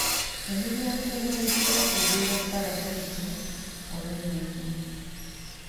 Emiryango emirala egibeera ku lubiri lwa Ssaabasajja olw'e Mengo.